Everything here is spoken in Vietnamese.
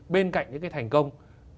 bên cạnh những cái thành công